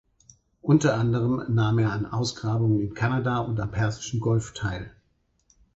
Unter anderem nahm er an Ausgrabungen in Kanada und am Persischen Golf teil.